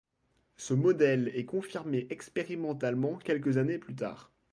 Ce modèle est confirmé expérimentalement quelques années plus tard.